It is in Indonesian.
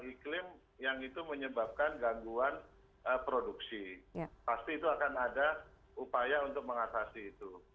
iklim yang itu menyebabkan gangguan produksi pasti itu akan ada upaya untuk mengatasi itu